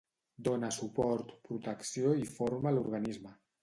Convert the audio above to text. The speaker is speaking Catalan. Dóna suport, protecció i forma a l'organisme.